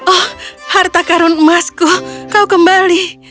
oh harta karun emasku kau kembali